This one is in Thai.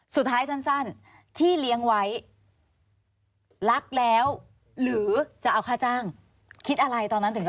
สุดท้ายสั้นที่เลี้ยงไว้รักแล้วหรือจะเอาค่าจ้างคิดอะไรตอนนั้นถึง